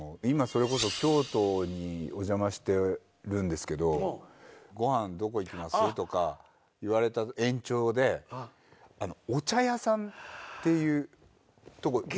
今それこそ京都にお邪魔してるんですけど「ご飯どこ行きます？」とか言われた延長でお茶屋さんっていうとこ。